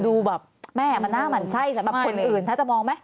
ดูแล้วมันหน้ามันไส้คนอื่นจะมองไหม